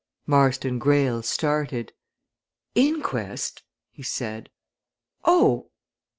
Marston Greyle started. "Inquest!" he said. "Oh!